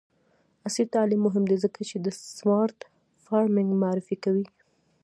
عصري تعلیم مهم دی ځکه چې د سمارټ فارمینګ معرفي کوي.